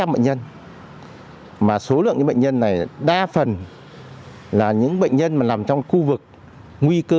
bệnh nhân mà số lượng bệnh nhân này đa phần là những bệnh nhân mà nằm trong khu vực nguy cơ